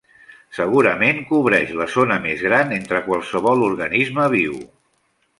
Segurament cobreix la zona més gran entre qualsevol organisme viu.